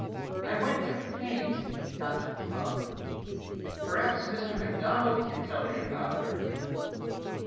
"I went to paint, not to pump. Perhaps Mr Macdonald can tell me about her."